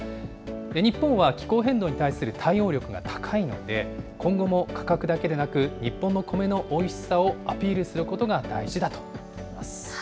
日本は気候変動に対する対応力が高いので、今後も価格だけでなく、日本のコメのおいしさをアピールすることが大事だといいます。